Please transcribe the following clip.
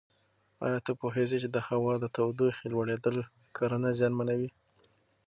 ایا ته پوهېږې چې د هوا د تودوخې لوړېدل کرنه زیانمنوي؟